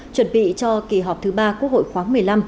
chuẩn bị cho kỳ họp thứ ba quốc hội khoáng một mươi năm